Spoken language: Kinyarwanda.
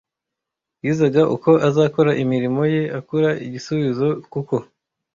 Yiazaga uko azakora imirimo ye akaura igisuizo kuko